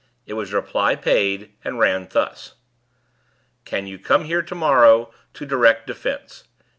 It was reply paid, and ran thus: "Can you come here to morrow to direct defence?